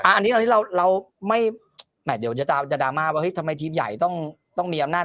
ใช่เราไหนเดี๋ยวจะนะก็ทำให้ทีมใหญ่ต้องต้องมีอำนาจ